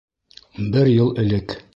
Бер йыл элек